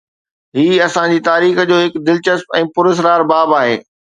هي اسان جي تاريخ جو هڪ دلچسپ ۽ پراسرار باب آهي.